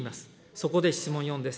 そこで質問４です。